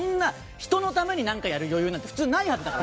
人のためにやる余裕なんかふつう普通ないはずだから。